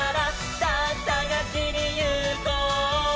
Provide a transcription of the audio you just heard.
「さぁさがしにいこう」